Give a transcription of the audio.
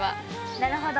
なるほど。